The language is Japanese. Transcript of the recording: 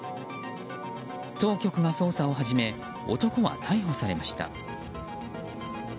当局が捜査を始め男は逮捕されました。